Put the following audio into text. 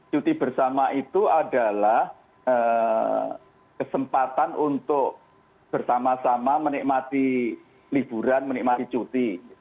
cuti bersama itu adalah kesempatan untuk bersama sama menikmati liburan menikmati cuti